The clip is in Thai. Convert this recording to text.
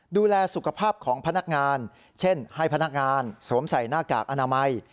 ดูแลสุขภาพของพนักงานเช่นให้พนักงานสวมใส่หน้ากากอนามัย